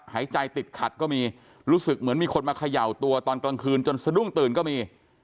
หายใจติดขัดก็มีรู้สึกเหมือนมีคนมาเขย่าตัวตอนกลางคืนจนสะดุ้งตื่นก็มี